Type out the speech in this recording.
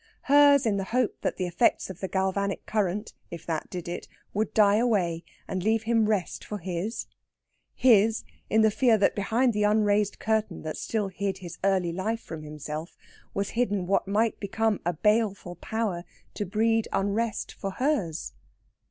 Hers in the hope that the effects of the galvanic current if that did it would die away and leave him rest for his; his in the fear that behind the unraised curtain that still hid his early life from himself was hidden what might become a baleful power to breed unrest for hers.